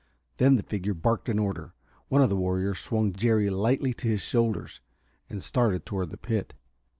Then the figure barked an order. One of the warriors swung Jerry lightly to his shoulder, and started toward the pit.